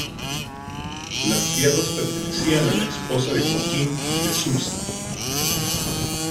Las tierras pertenecían a la esposa de Joaquim de Souza.